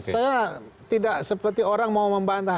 saya tidak seperti orang mau membantah